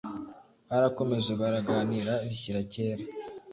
Barakomeje baraganira bishyira kera